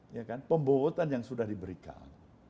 ya kan pembobotan yang sudah diberikan